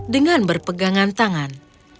dengan berpegangan tangan